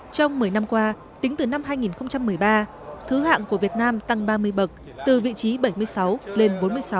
trong một mươi năm qua tính từ năm hai nghìn một mươi ba thứ hạng của việt nam tăng ba mươi bậc từ vị trí bảy mươi sáu lên bốn mươi sáu